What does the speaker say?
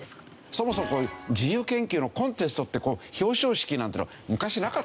そもそもこういう自由研究のコンテストって表彰式なんていうのは昔なかったでしょ？